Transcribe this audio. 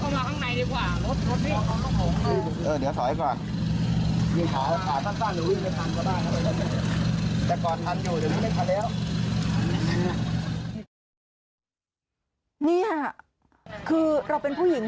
นี่อ่ะพี่เข้ามาข้างในดีกว่ารถรถพี่